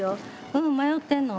うん迷ってんの？